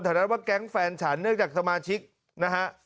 นัดว่าแก๊งแฟนฉันเนื่องจากสมาชิกนะฮะ